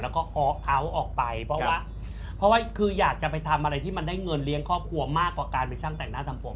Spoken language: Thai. แล้วก็ออกเอาท์ออกไปเพราะว่าเพราะว่าคืออยากจะไปทำอะไรที่มันได้เงินเลี้ยงครอบครัวมากกว่าการเป็นช่างแต่งหน้าทำผม